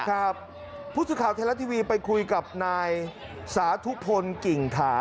ครับพูดสุดข่าวแทนละทีวีไปคุยกับนายสาธุพลกิ่งถา